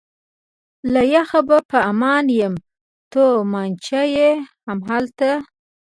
له یخه به په امان یم، تومانچه یې همالته.